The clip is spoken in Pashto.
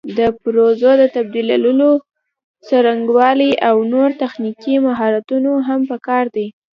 د پرزو د تبدیلولو څرنګوالي او نور تخنیکي مهارتونه هم پکار دي.